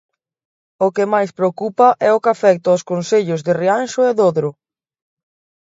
O que máis preocupa é o que afecta os concellos de Rianxo e Dodro.